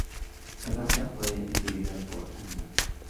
En Francia fue distribuida por Animax.